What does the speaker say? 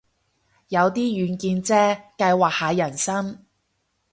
有啲遠見啫，計劃下人生